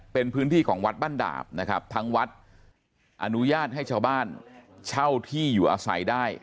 เป็นพื้นที่ของวัดบ้านดาบนะครับทั้งวัดอนุญาตให้ชาวบ้านเช่าที่อยู่อาศัยได้